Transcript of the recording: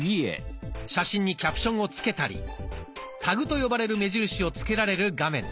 写真にキャプションをつけたりタグと呼ばれる目印をつけられる画面です。